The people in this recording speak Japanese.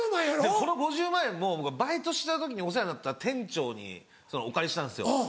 この５０万円も僕はバイトしてた時にお世話になった店長にお借りしたんですよ。